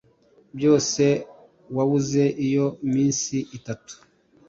byose wabuze iyo minsi itatu.